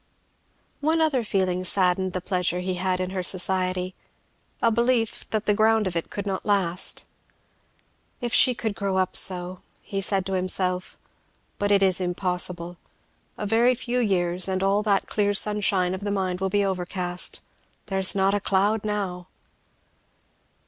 One other feeling saddened the pleasure he had in her society a belief that the ground of it could not last. "If she could grow up so!" he said to himself. "But it is impossible. A very few years, and all that clear sunshine of the mind will be overcast; there is not a cloud now!"